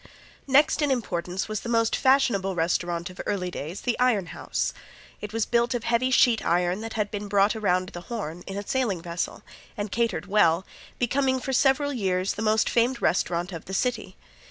Next in importance was the most fashionable restaurant of early days, the Iron House. It was built of heavy sheet iron that had been brought around the Horn in a sailing vessel, and catered well, becoming for several years the most famed restaurant of the city.